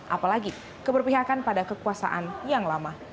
apalagi keberpihakan pada kekuasaan yang lama